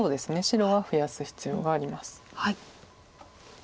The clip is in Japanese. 白は増やす必要があります。